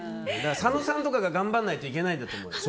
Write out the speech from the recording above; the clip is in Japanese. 佐野さんとかが頑張らないといけないんだと思う。